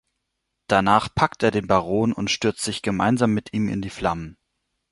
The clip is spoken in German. Danach packt er den Baron und stürzt sich gemeinsam mit ihm in die Flammen.